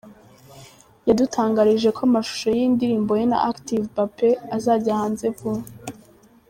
Yadutangarije ko amashusho y'iyi ndirimbo ye na Active ‘Bape’ azajya hanze vuba.